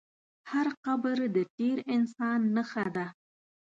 هر قبر د تېر انسان نښه ده.